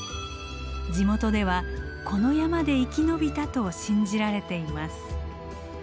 地元ではこの山で生き延びたと信じられています。